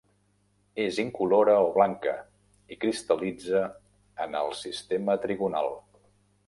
És incolora o blanca i cristal·litza en el sistema trigonal.